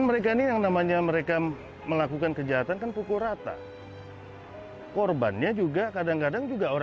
naik motor sendiri